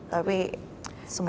tapi semuanya sudah